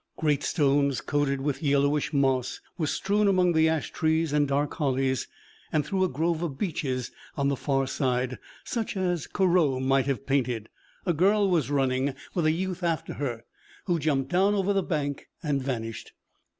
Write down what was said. Great stones coated with yellowish moss were strewn among the ash trees and dark hollies; and through a grove of beeches on the far side, such as Corot might have painted, a girl was running, with a youth after her, who jumped down over the bank and vanished.